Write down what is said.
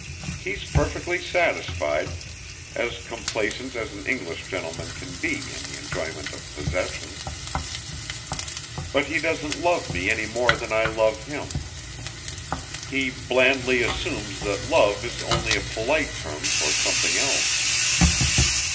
He's perfectly satisfied, as complacent as an English gentleman can be in the enjoyment of possession. But he doesn't love me any more than I love him. He blandly assumes that love is only a polite term for something else.